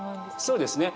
そうですね。